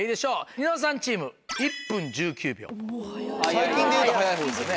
最近でいうと早い方ですね。